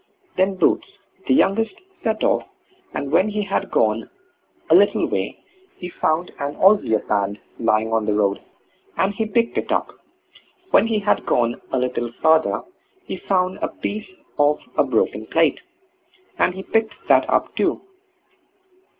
Then Boots, the youngest, set off, and when he had gone a little way he found an ozier band lying on the road, and he picked it up. When he had gone a little farther he found a piece of a broken plate, and he picked that up too.